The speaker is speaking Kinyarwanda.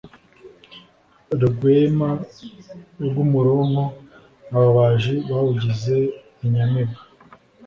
Rwema rw'umuronko ababaji bawugize inyamibwa